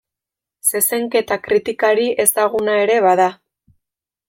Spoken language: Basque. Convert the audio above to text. Zezenketa kritikari ezaguna ere bada.